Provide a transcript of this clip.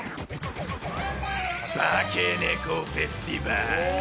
化け猫フェスティバル。